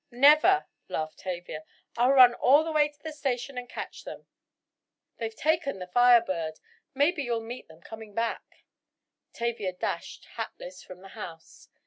"Never!" laughed Tavia, "I'll run all the way to the station and catch them!" "They've taken the Fire Bird, maybe you'll meet them coming back." Tavia dashed, hatless, from the house.